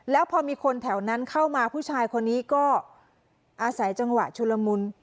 แล้วพอมีคนแถวนั้นเข้ามาผู้ชายคนนี้ก็อาศัยจังหวะชุลมุน